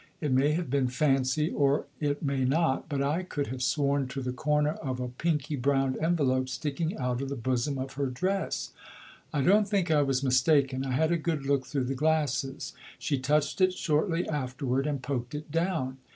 It may have been fancy, or it may not, but I could have sworn to the corner of a pinky brown envelope sticking out of the bosom of her dress. I don't think I was mistaken; I had a good look through the glasses. She touched it shortly afterward and poked it down.